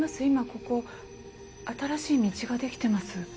今ここ新しい道ができてます。